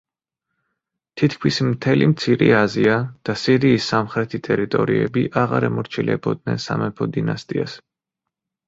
თითქმის მთელი მცირე აზია და სირიის სამხრეთი ტერიტორიები აღარ ემორჩილებოდნენ სამეფო დინასტიას.